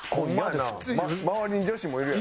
周りに女子もいるやろ？